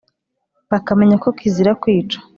bakamenya ko kizira kwica,